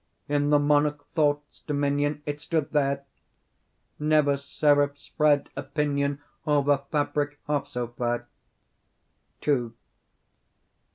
In the monarch Thought's dominion— It stood there! Never seraph spread a pinion Over fabric half so fair.